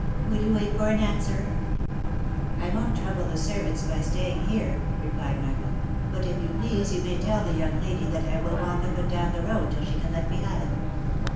Will you wait for an answer ?"" I won't trouble the servants by staying here," replied Michael ;" but if you please you may tell the young lady that I will walk up and down the road till she can let me have it.